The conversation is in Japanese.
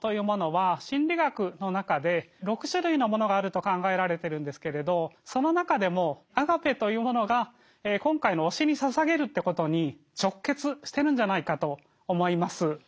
と考えられてるんですけれどその中でもアガペーというものが今回の推しにささげるってことに直結してるんじゃないかと思います。